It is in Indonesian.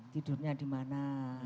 tidurnya di mana